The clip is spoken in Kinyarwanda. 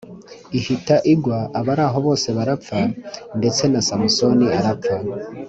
ihita igwa abari aho bose barapfa ndetse na Samusoni arapfa